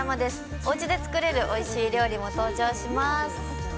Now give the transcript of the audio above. おうちで作れるおいしい料理も登場します。